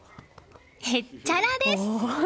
へっちゃらです！